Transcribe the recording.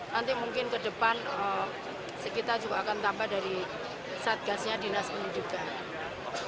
nanti mungkin ke depan kita juga akan tambah dari satgasnya dinas pendidikan